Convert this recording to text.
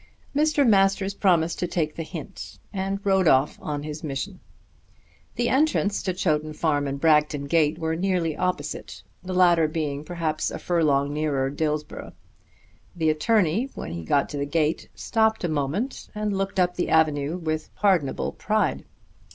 Mr. Masters promised to take the hint, and rode off on his mission. The entrance to Chowton Farm and Bragton gate were nearly opposite, the latter being perhaps a furlong nearer to Dillsborough. The attorney when he got to the gate stopped a moment and looked up the avenue with pardonable pride.